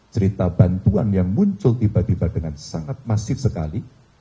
cerita bantuan yang muncul tiba tiba dengan sangat masif sekali